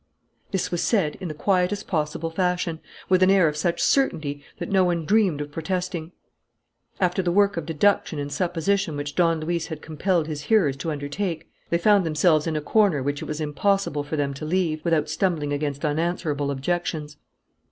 This was said in the quietest possible fashion, but with an air of such certainty that no one dreamed of protesting. After the work of deduction and supposition which Don Luis had compelled his hearers to undertake, they found themselves in a corner which it was impossible for them to leave without stumbling against unanswerable objections.